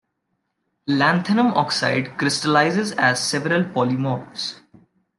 Lanthanum oxide crystallizes as several polymorphs.